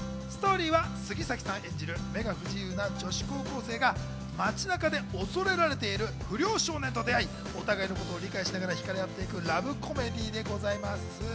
杉咲さん演じる目が不自由な女子高生が街中で恐れられている不良少年と出会い、お互いのことを理解しながら、ひかれ合っていくラブコメディーです。